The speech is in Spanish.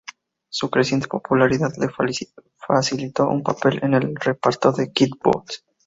Su creciente popularidad le facilitó un papel en el reparto de "Kid Boots".